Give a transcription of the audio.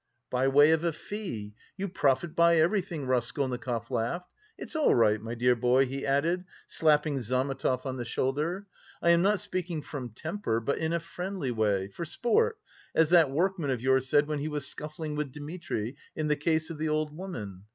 "By way of a fee! You profit by everything!" Raskolnikov laughed, "it's all right, my dear boy," he added, slapping Zametov on the shoulder. "I am not speaking from temper, but in a friendly way, for sport, as that workman of yours said when he was scuffling with Dmitri, in the case of the old woman...."